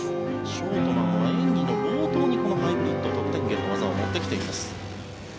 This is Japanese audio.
ショートマンは演技の冒頭にハイブリッドという技を持ってきています。